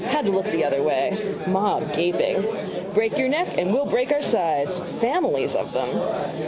Had to look the other way. Mob gaping. Break your neck and we'll break our sides. Families of them.